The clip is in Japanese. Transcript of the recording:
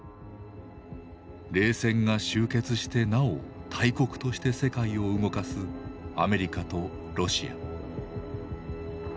冷戦が終結してなお大国として世界を動かすアメリカとロシア。